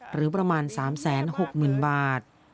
หรือประมาณ๓๖๐๐๐บาท